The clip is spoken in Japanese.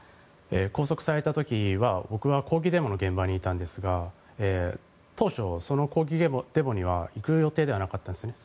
拘束された時は僕は抗議デモの現場にいたんですが当初、その抗議デモには行く予定ではなかったんですね。